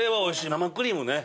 生クリームね。